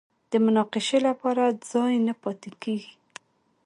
د مناقشې لپاره ځای نه پاتې کېږي